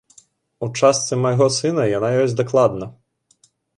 У частцы майго сына яна ёсць дакладна.